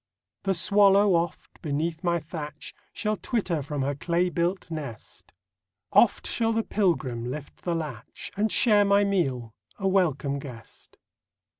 The swallow, oft, beneath my thatch Shall twitter from her clay built nest; Oft shall the pilgrim lift the latch, And share my meal, a welcome guest.